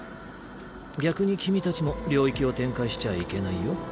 逆に君たちも領域を展開しちゃいけないよ。